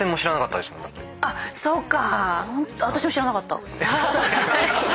そうか。